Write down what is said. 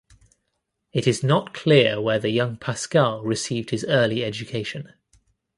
It is not clear where the young Pascual received his early education.